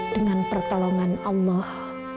dengan pertolongan allah